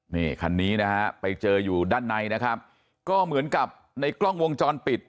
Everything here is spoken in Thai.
นี่คันนี้นะฮะไปเจออยู่ด้านในนะครับก็เหมือนกับในกล้องวงจรปิด